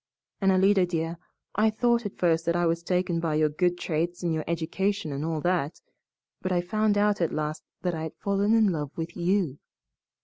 And, Alida, dear, I thought at first that I was taken by your good traits and your education and all that, but I found out at last that I had fallen in love with YOU.